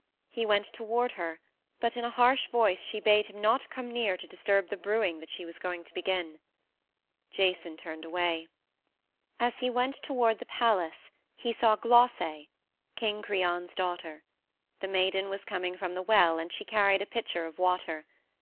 He went toward her, but in a harsh voice she bade him not come near to disturb the brewing that she was going to begin. Jason turned away. As he went toward the palace he saw Glauce, King Creon's daughter; the maiden was coming from the well and she carried a pitcher of water.